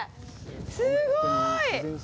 すごーい！